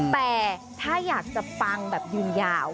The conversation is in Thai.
แต่ถ้าอยากจะปังแบบยืนยาว